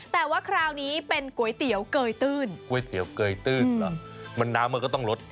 แต่ว่าคราวนี้เป็นก๋วยเตี๋ยวเกยตื้นก๋วยเตี๋ยวเกยตื้นเหรอมันน้ำมันก็ต้องลด